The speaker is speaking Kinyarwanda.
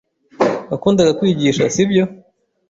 Wakundaga kwigisha, sibyo?